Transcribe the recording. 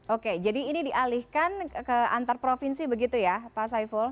oke jadi ini dialihkan ke antar provinsi begitu ya pak saiful